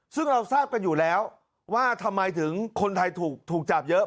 ซึ่งเราทราบกันอยู่แล้วว่าทำไมถึงคนไทยถูกจับเยอะ